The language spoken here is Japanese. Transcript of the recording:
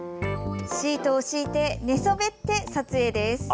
シートを敷いて寝そべって、撮影です。